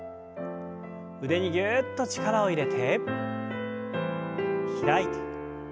腕にぎゅっと力を入れて開いて。